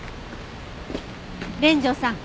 連城さん